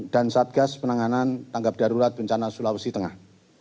dan satgas penanganan tanggap darurat bencana sulawesi tengah